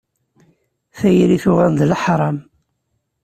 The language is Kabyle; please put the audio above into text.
Tayri tuɣal d leḥram.